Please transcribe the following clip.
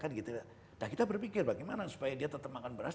nah kita berpikir bagaimana supaya dia tetap makan beras